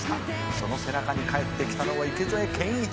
「その背中に帰ってきたのは池添謙一」